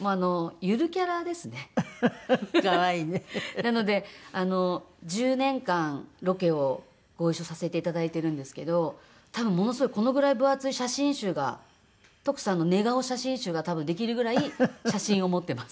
なので１０年間ロケをご一緒させていただいてるんですけど多分ものすごいこのぐらい分厚い写真集が徳さんの寝顔写真集が多分できるぐらい写真を持ってます。